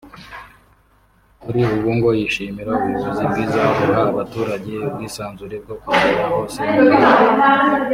Kuri ubu ngo yishimira ubuyobozi bwiza buha abaturage ubwisanzure bwo kugera hose mu gihugu